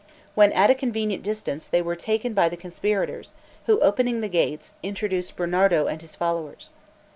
When at a convenient distance, they were taken by the conspirators, who, opening the gates, introduced Bernardo and his followers.